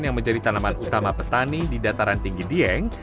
yang menjadi tanaman utama petani di dataran tinggi dieng